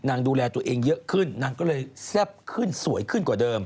ดูแลตัวเองเยอะขึ้นนางก็เลยแซ่บขึ้นสวยขึ้นกว่าเดิม